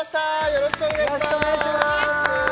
よろしくお願いします